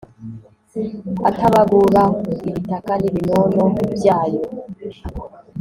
atabagura ibitaka n'ibinono byayo